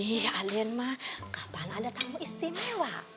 iya aden mah kapan ada tamu istimewa